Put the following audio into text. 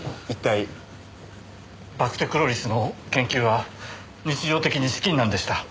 バクテクロリスの研究は日常的に資金難でした。